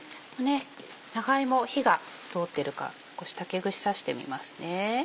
長芋火が通ってるか少し竹串刺してみますね。